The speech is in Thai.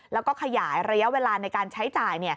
แล้วก็ขยายระยะเวลาในการใช้จ่าย